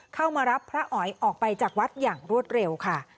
เข้ามารับพระอ๋อยออกไปจากวัดอย่างรวดเร็วค่ะ